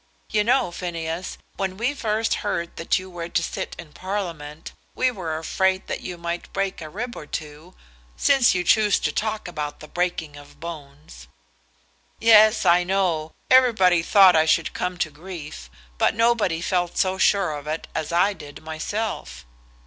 You know, Phineas, when we first heard that you were to sit in Parliament, we were afraid that you might break a rib or two, since you choose to talk about the breaking of bones." "Yes, I know. Everybody thought I should come to grief; but nobody felt so sure of it as I did myself."